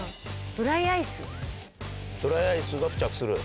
ドライアイスが付着する？